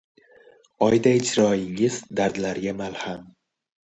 Oyday chiroyingiz dardlarga malham